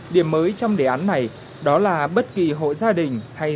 điểm mới trong đề án này đó là bất kỳ hội gia đình hay